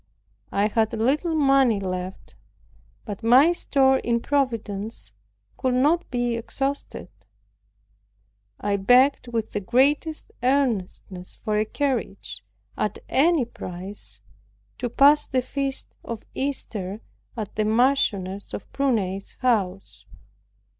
I had little money left, but my store in Providence could not be exhausted. I begged with the greatest earnestness for a carriage at any price, to pass the feast of Easter at the Marchioness of Prunai's house.